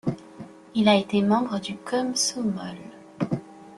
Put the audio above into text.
Il a été membre du Komsomol.